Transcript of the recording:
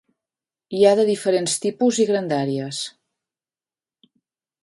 Hi ha de diferents tipus i grandàries.